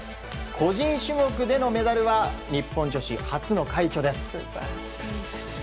個人種目でのメダルは日本女子初の快挙です。